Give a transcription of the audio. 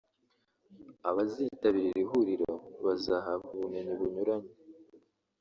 Abazitabira iri huriro bazahabwa ubumenyi bunyuranye